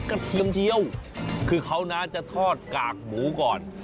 เทียมเจียวคือเขานะจะทอดกากหมูก่อน